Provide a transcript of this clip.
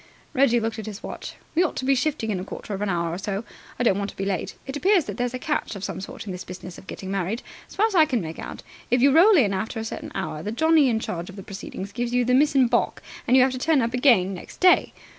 Reggie looked at his watch. "We ought to be shifting in a quarter of an hour or so. I don't want to be late. It appears that there's a catch of some sort in this business of getting married. As far as I can make out, if you roll in after a certain hour, the Johnnie in charge of the proceedings gives you the miss in baulk, and you have to turn up again next day.